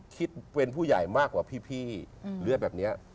คิดเป็นผู้ใหญ่มากกว่าพี่เลือดแบบนี้